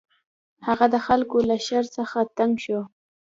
هغه د خلکو له شر څخه تنګ شو.